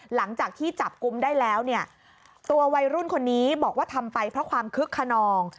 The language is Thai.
หลังจากที่จับกลุ่มได้แล้วเนี่ยตัววัยรุ่นคนนี้บอกว่าทำไปเพราะความคึกขนอง